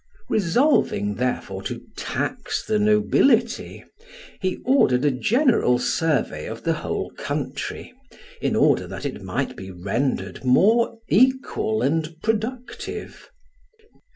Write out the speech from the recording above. Resolving, therefore, to tax the nobility, he ordered a general survey of the whole country, in order that it might be rendered more equal and productive.